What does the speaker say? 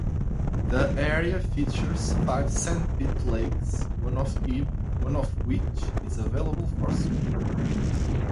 The area features five sandpit lakes, one of which is available for swimming.